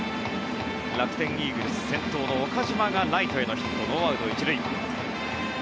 楽天イーグルス、先頭の岡島がライトへのヒットノーアウト１塁。